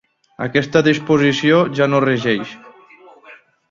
Aquesta disposició ja no regeix.